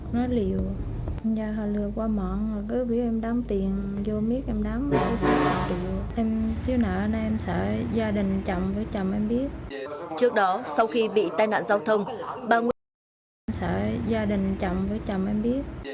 nó liều nhà họ lừa qua mọn cứ biết em đám tiền vô miếng em đám em thiếu nợ em sợ gia đình chồng với chồng em biết